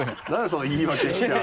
そんな言い訳しちゃあ。